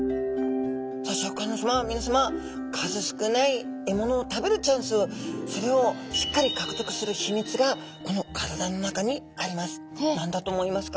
数少ない獲物を食べるチャンスそれをしっかり獲得する秘密がこの体の中にあります。